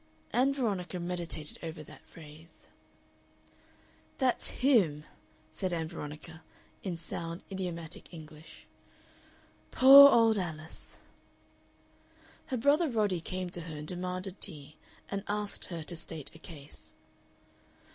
Ann Veronica meditated over that phrase. "That's HIM," said Ann Veronica, in sound, idiomatic English. "Poor old Alice!" Her brother Roddy came to her and demanded tea, and asked her to state a case.